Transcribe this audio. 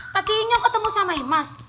tadi inyong ketemu sama iman